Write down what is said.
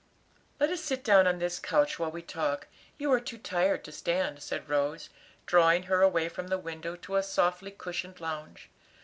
"Let us sit down on this couch while we talk; you are too tired to stand," said Rose, drawing her away from the window to a softly cushioned lounge.